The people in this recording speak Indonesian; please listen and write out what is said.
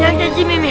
yang jadi mimin